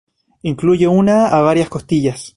Incluye una a varias costillas.